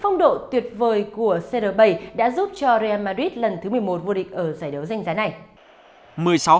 phong độ tuyệt vời của cr bảy đã giúp cho ry madrid lần thứ một mươi một vô địch ở giải đấu danh giá này